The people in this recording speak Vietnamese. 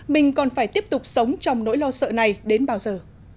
mình còn phải tiếp tục sống trong nỗi lo sợ này đến bao giờ